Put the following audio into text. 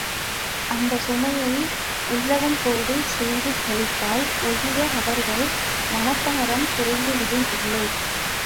அந்தச் சுமையை உள்ளன்போடு செய்து கழித்தால் ஒழிய, அவர்கள் மனப்பாரம் குறைந்துவிடுவது இல்லை.